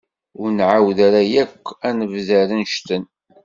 Ur nεawed ara yakk ad d-nebder annect-en.